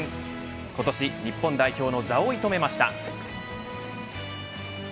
今年日本代表の座を射止めました。